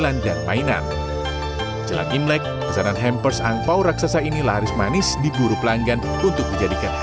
lampion ini menyebabkan penyakit